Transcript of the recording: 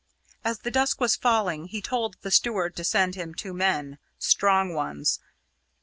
As the dusk was falling he told the steward to send him two men, strong ones.